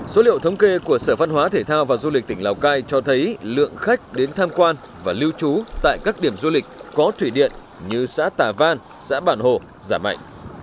số liệu thống kê của sở văn hóa thể thao và du lịch tỉnh lào cai cho thấy lượng khách đến tham quan và lưu trú tại các điểm du lịch có thủy điện như xã tà văn xã bản hồ giảm mạnh